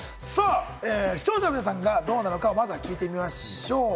視聴者の皆さんはどうなのか、まずは聞いてみましょう。